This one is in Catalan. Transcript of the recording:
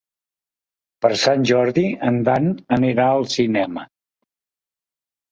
Per Sant Jordi en Dan anirà al cinema.